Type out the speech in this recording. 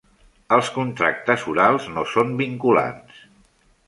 Els contractes orals no són vinculants.